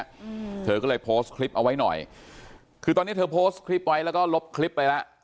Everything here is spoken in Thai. อืมเธอก็เลยโพสต์คลิปเอาไว้หน่อยคือตอนเนี้ยเธอโพสต์คลิปไว้แล้วก็ลบคลิปไปแล้ว